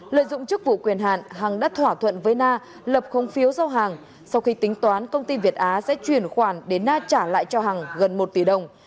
lợi dụng chức vụ quyền hạn hằng đã thỏa thuận với na lập không phiếu giao hàng sau khi tính toán công ty việt á sẽ chuyển khoản để na trả lại cho hằng gần một tỷ đồng